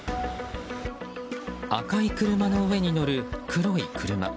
赤い車の上に載る黒い車。